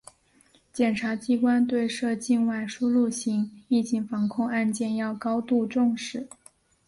检察机关对涉境外输入型疫情防控案件要高度重视